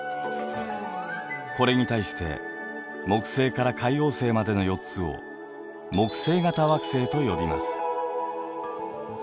これに対して木星から海王星までの４つを木星型惑星と呼びます。